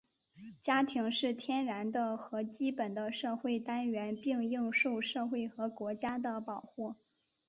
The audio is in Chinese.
家庭是天然的和基本的社会单元,并应受社会和国家的保护。